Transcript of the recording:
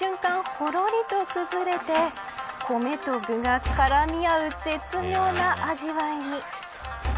ほろりと崩れて米と具が絡み合う絶妙な味わいに。